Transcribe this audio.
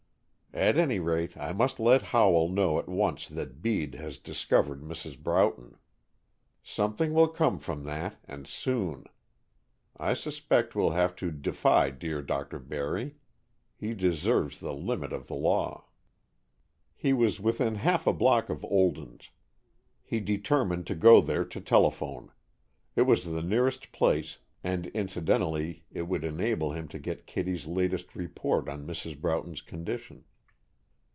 "At any rate, I must let Howell know at once that Bede has discovered Mrs. Broughton. Something will come from that, and soon. I suspect we'll have to defy dear Dr. Barry. He deserves the limit of the law." He was within half a block of Olden's. He determined to go there to telephone. It was the nearest place and incidentally it would enable him to get Kittie's latest report on Mrs. Broughton's condition.